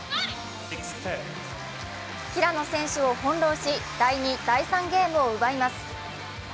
平野選手を翻弄し、第２、第３ゲームを奪います。